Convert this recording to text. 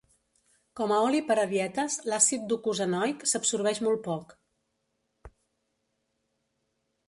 Com a oli per a dietes, l'àcid docosanoic s'absorbeix molt poc.